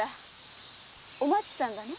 お町さんだね？